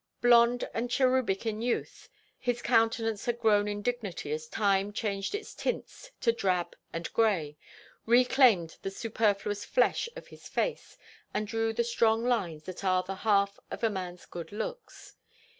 Blond and cherubic in youth, his countenance had grown in dignity as time changed its tints to drab and gray, reclaimed the superfluous flesh of his face, and drew the strong lines that are the half of a man's good looks.